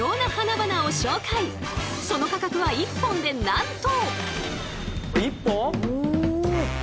その価格は一本でなんと。